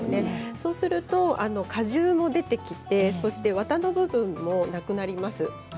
そうすると果汁も出てきてわたの部分もなくなります。